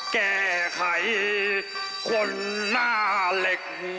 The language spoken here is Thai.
แก่ใครคนหน้าเหล็ก